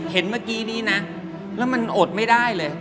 เห็นเมื่อกี้นี้นะแล้วมันอดไม่ได้เลย